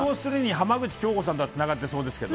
浜口京子さんとはつながってそうですけど。